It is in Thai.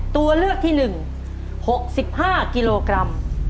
ตัวเลือกที่๑๖๕กิโลกรัม